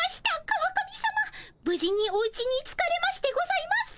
川上さまぶ事におうちに着かれましてございます。